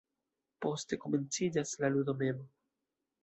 Poste komenciĝas la ludo mem.